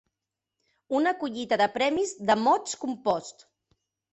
Una collita de premis, de mots composts.